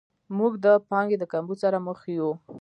موږ د پانګې د کمبود سره مخ یو.